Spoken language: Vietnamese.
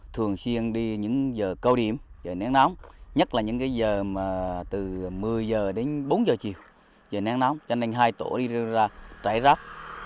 thường xuyên đi những giờ cao điểm giờ nắng nóng nhất là những giờ từ một mươi h đến bốn giờ chiều giờ nắng nóng cho nên hai tổ đi ra trải rắc